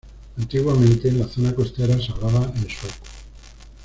Antiguamente en la zona costera se hablaba en sueco.